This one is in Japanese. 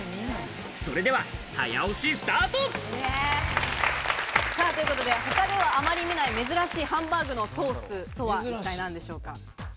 それでは早押しスタート！ということで、他ではあまり見ない珍しいハンバーグのソースとは一体何でしょうか？